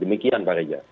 demikian pak reza